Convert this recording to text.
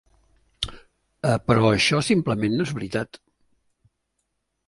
Però això simplement no és veritat.